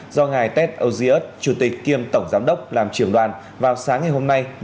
do ngài ted osius chủ tịch kiêm tổng giám đốc làm trưởng đoàn vào sáng ngày hôm nay